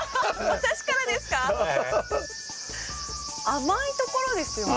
甘いところですよね。